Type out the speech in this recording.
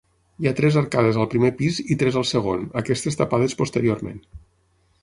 Hi ha tres arcades al primer pis i tres al segon, aquestes tapades posteriorment.